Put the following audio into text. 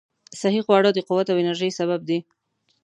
صحي خواړه د قوت او انرژۍ سبب دي.